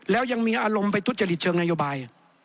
แล้วยังมีอารมณ์ไปทุจริตเชิงนโยบาย